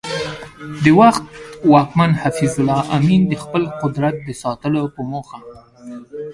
د وخت واکمن حفیظ الله امین د خپل قدرت د ساتلو په موخه